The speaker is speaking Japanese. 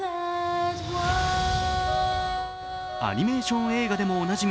アニメーション映画でもおなじみ